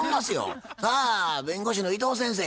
さあ弁護士の伊藤先生